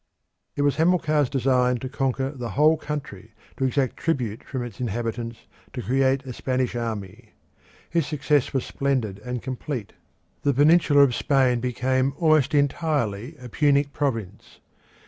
It was Hamilcar's design to conquer the whole country, to exact tribute from the inhabitants, to create a Spanish army. His success was splendid and complete. The peninsula of Spain became almost entirely a Punic province.